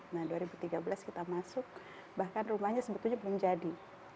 nah dua ribu tiga belas kita masuk bahkan rumahnya sebetulnya menjadi